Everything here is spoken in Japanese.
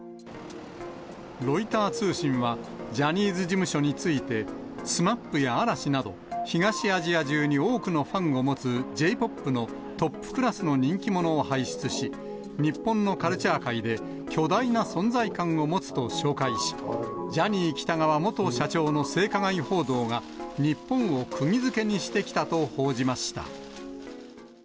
ロイター通信は、ジャニーズ事務所について、ＳＭＡＰや嵐など、東アジア中に多くのファンを持つＪーＰＯＰのトップクラスの人気者を輩出し、日本のカルチャー界で巨大な存在感を持つと紹介し、ジャニー喜多川元社長の性加害報道が日本をくぎづけにしてきたと報じました。